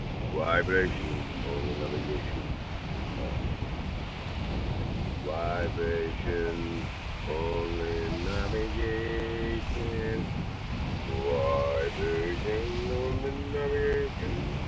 Vibration-Only navigation is possible.